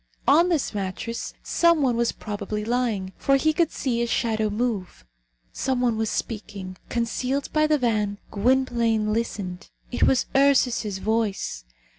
On this mattress some one was probably lying, for he could see a shadow move. Some one was speaking. Concealed by the van, Gwynplaine listened. It was Ursus's voice.